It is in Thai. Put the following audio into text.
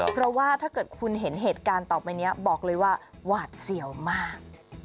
เพราะว่าถ้าเกิดคุณเห็นเหตุการณ์ต่อไปนี้บอกเลยว่าหวาดเสี่ยวมาก